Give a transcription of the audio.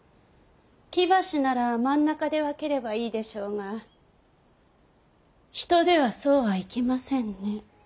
木橋なら真ん中で分ければいいでしょうが人ではそうはいきませんね。